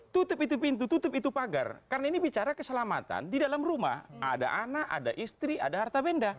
tutup itu pintu tutup itu pagar karena ini bicara keselamatan di dalam rumah ada anak ada istri ada harta benda